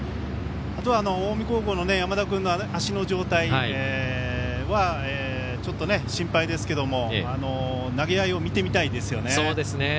あとは近江高校の山田君の足の状態はちょっと心配ですけども投げ合いを見てみたいですよね。